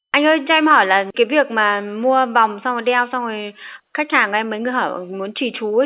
anh ơi cho em hỏi là cái việc mà mua vòng xong rồi đeo xong rồi khách hàng em mới hỏi muốn trì trú ấy